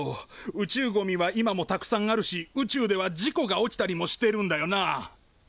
宇宙ゴミは今もたくさんあるし宇宙では事故が起きたりもしてるんだよな？